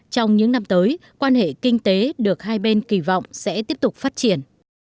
trong những năm tới quan hệ kinh tế được hai bên kỳ vọng sẽ tiếp tục phát triển